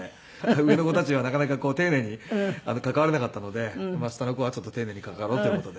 上の子たちはなかなかこう丁寧に関われなかったので下の子は丁寧に関わろうという事で。